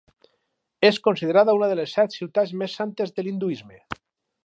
És considerada una de les set ciutats més santes de l'hinduisme.